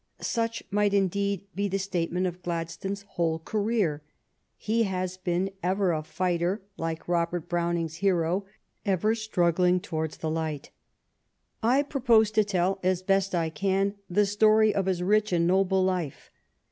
Such might indeed be the statement of Gladstone s whole career. He has been " ever a fighter," like Robert Browning's hero — ever struggling towards the light. I propose to tell, as best I can, the story of his rich and noble life.